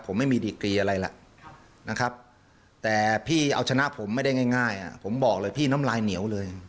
ผมไม่มีดีกรีอะไรล่ะนะครับแต่พี่เอาชนะผมไม่ได้ง่ายผมบอกเลยพี่น้ำลายเหนียวเลย